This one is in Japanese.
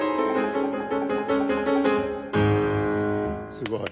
すごい。